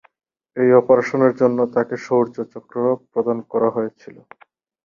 এই অপারেশনের জন্য তাঁকে শৌর্য চক্র প্রদান করা হয়েছিল।